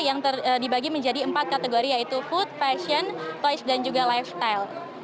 yang dibagi menjadi empat kategori yaitu food fashion toys dan juga lifestyle